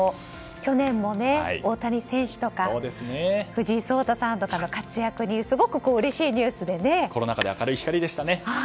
去年も、大谷選手とか藤井聡太さんとかの活躍にすごくうれしいニュースがね。